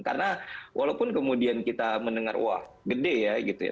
karena walaupun kemudian kita mendengar wah gede ya gitu ya